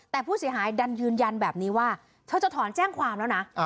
แต่ผู้เสียหายดันยืนยันแบบนี้ว่าเธอจะถอนแจ้งความแล้วนะ